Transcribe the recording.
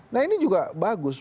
nah ini juga bagus